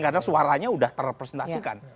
karena suaranya sudah terrepresentasikan